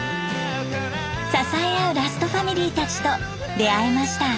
支え合うラストファミリーたちと出会えました。